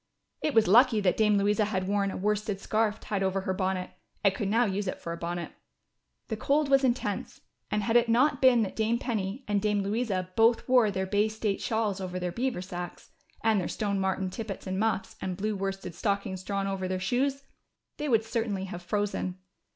It was lucky that Dame Louisa had worn a worsted scarf tied over her bonnet, and could now use it for a bonnet. The cold was intense, and had it not been that Dame Penny and Dame Louisa both wore their Bay State shawls over their beaver sacks, and their stone marten tippets and muffs, and blue worsted stockings drawn over their shoes, they would certainly have TO THE RESCUE. THE SILVER HEN. 279 frozen.